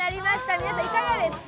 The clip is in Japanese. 皆さんいかがですか？